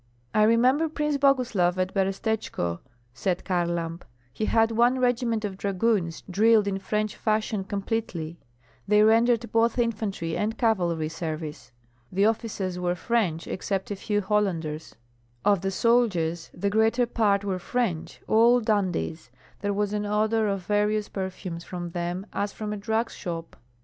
"I remember Prince Boguslav at Berestechko," said Kharlamp; "he had one regiment of dragoons drilled in French fashion completely, they rendered both infantry and cavalry service. The officers were French, except a few Hollanders; of the soldiers the greater part were French, all dandies. There was an odor of various perfumes from them as from a drug shop.